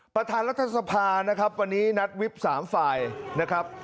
ประธานรัฐสภานะครับวันนี้นัดวิป๓ฝ่ายนะครับ